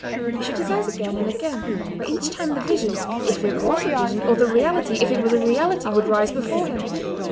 He shut his eyes again and again, but each time the vision, if it was a vision, or the reality, if it was a reality, would rise before him.